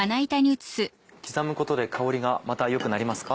刻むことで香りがまた良くなりますか？